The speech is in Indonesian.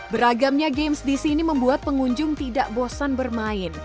beragamnya games di sini membuat pengunjung tidak bosan bermain